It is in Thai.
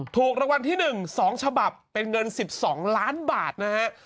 ถูกรางวัลที่๑๒ฉบับเป็นเงิน๑๒ล้านบาทนะฮะ